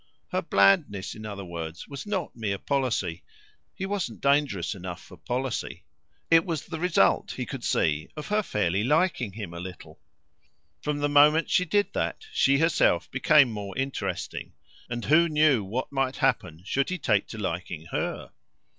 Her blandness, in other words, wasn't mere policy he wasn't dangerous enough for policy: it was the result, he could see, of her fairly liking him a little. From the moment she did that she herself became more interesting, and who knew what might happen should he take to liking HER?